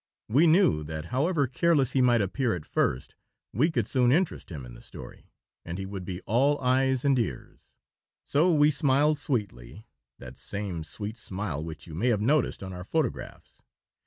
We knew that, however careless he might appear at first, we could soon interest him in the story, and he would be all eyes and ears. So we smiled sweetly that same sweet smile which you may have noticed on our photographs.